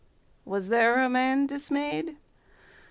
Was there a man dismay'd?